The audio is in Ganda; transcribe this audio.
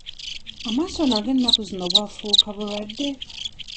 Amaaso nago ennaku zino bwafuuka bulwadde?